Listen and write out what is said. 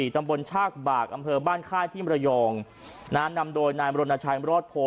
ตำบลชากบากอำเภอบ้านค่ายที่มรยองนะนำโดยนายมรณชัยรอดโพ